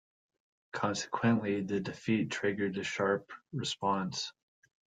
Consequently, the defeat triggered a sharp response.